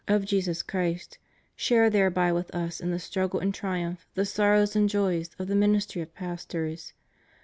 555 of Jesiis Christ, share thereby with Us in the struggle and triumph, the sorrows and joys, of the ministry of pastors.